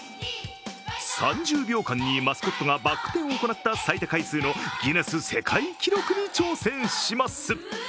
３０秒間にマスコットがバック転を行った最多回数のギネス世界記録に挑戦します。